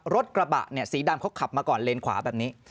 รถกระบะเนี่ยสีดำเขาขับมาก่อนเลนขวาแบบนี้